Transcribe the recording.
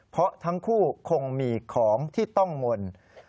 เพราะทั้งคู่คงมีของที่ต้องเงิน